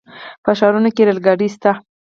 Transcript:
په ښارونو کې ریل ګاډي شته.